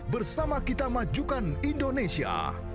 bersama kita majukan indonesia